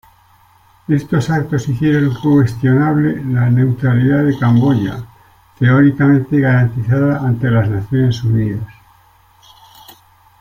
Estos actos hicieron cuestionable la neutralidad de Camboya, teóricamente garantizada ante las Naciones Unidas.